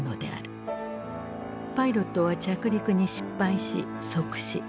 パイロットは着陸に失敗し即死。